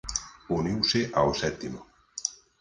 Uniuse ao sétimo.